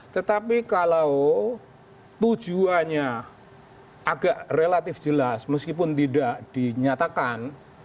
tetapi kalau tujuannya agak relatif jelas meskipun tidak dinyatakan